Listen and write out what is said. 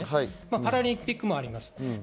パラリンピックもあります。